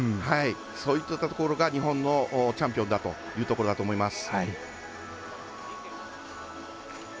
そういったところが日本のチャンピオンだというところだと思います。